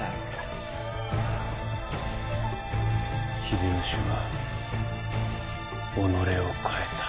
秀吉は己を変えた。